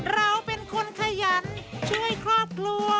เราเป็นคนขยันช่วยครอบครัว